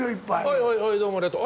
はいはいはいどうもありがとう。